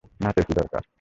নাচের কী দরকার?